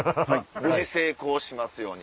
無事成功しますように。